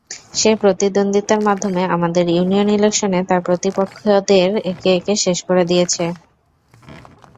সে প্রতিদ্বন্দ্বিতার মাধ্যমে আমাদের ইউনিয়ন ইলেকশনে তার প্রতিপক্ষদের একে একে শেষ করে দিয়েছে।